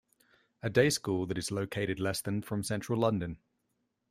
A day school that is located less than from Central London.